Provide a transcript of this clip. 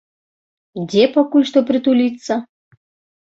Дзе пакуль што прытуліцца?